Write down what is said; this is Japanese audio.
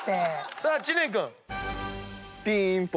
さあ知念君。